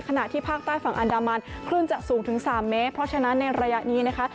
ที่ภาคใต้ฝั่งอันดามันคลื่นจะสูงถึง๓เมตรเพราะฉะนั้นในระยะนี้นะคะ